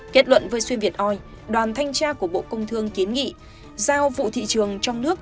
kết luận với xuyên việt oi đoàn thanh tra của bộ công thương kiến nghị giao vụ thị trường trong nước